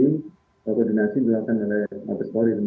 kalau koordinasi dilakukan oleh mbak bes polri